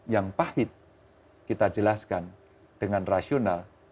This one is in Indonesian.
yang pahit kita jelaskan dengan rasional